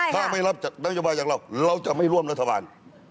ถ้าไม่รับนโยบายอย่างเราเราจะไม่ร่วมรัฐบาล